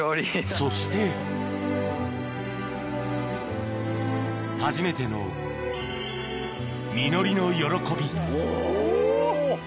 そして初めての実りの喜びおぉ。